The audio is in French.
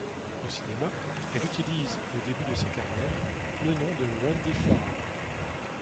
Au cinéma, elle utilise au début de sa carrière le nom de Randy Farr.